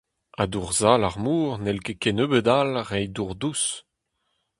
Ha dour sall ar mor n’hell ket kennebeut-all reiñ dour dous.